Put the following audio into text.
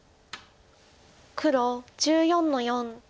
黒１４の四。